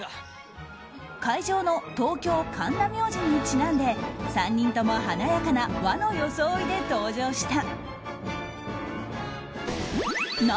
会場の東京・神田明神にちなんで３人とも華やかな和の装いで登場した。